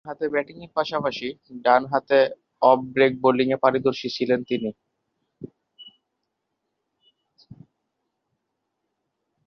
ডানহাতে ব্যাটিংয়ের পাশাপাশি ডানহাতে অফ ব্রেক বোলিংয়ে পারদর্শী ছিলেন তিনি।